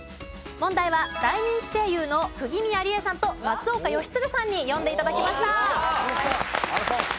問題は大人気声優の釘宮理恵さんと松岡禎丞さんに読んで頂きました。